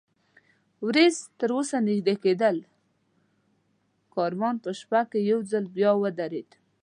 ورېځ تراوسه نږدې کېدل، کاروان په شپه کې یو ځل بیا ودرېد.